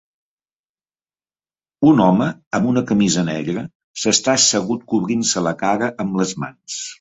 Un home amb una camisa negra s'està assegut cobrint-se la cara amb les mans.